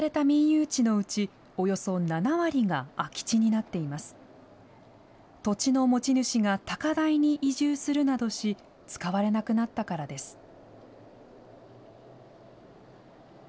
土地の持ち主が高台に移住するなどし、使われなくなったからです。